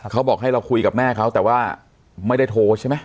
เขาบอกให้เราคุยกับแม่เขาแต่ว่าไม่ได้โทรใช่ไหม